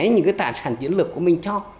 những cái tài sản chiến lược của mình cho